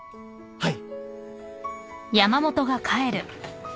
はい。